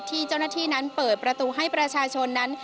ที่เจ้าหน้าที่นั้นเปิดประตูให้ประชาชนนั้น